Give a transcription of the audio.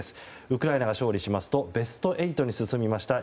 ウクライナが勝利しますとベスト８に進みました